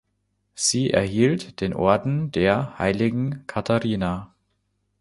Sie erhielt den Orden der Heiligen Katharina.